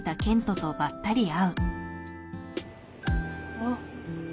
あっ。